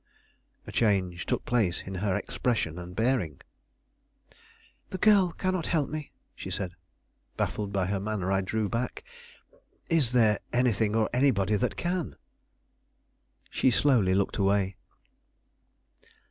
A change took place in her expression and bearing. "The girl cannot help me," she said. Baffled by her manner, I drew back. "Is there anything or anybody that can?" She slowly looked away.